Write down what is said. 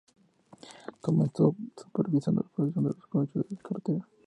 Comenzó supervisando la producción de los coches de carretera.